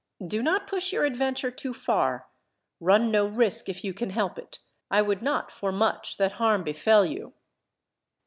Do not push your adventure too far. Run no risk if you can help it. I would not, for much, that harm befell you."